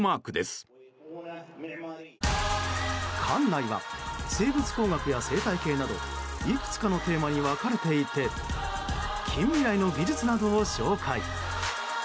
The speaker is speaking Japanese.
館内は生物工学や生態系などいくつかのテーマに分かれていて近未来の技術などを紹介。